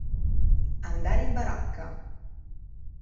Andare in baracca.